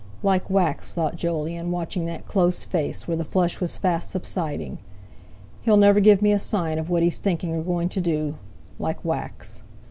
"Like wax!" thought Jolyon, watching that close face, where the flush was fast subsiding. "He'll never give me a sign of what he's thinking, or going to do. Like wax!"